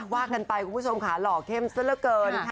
ว่ากันไปคุณผู้ชมค่ะหล่อเข้มซะละเกิน